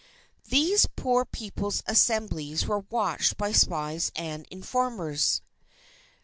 These poor people's Assemblies were watched by spies and informers.